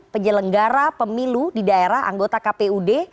penyelenggara pemilu di daerah anggota kpud